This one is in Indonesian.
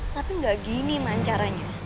tapi nggak gini man caranya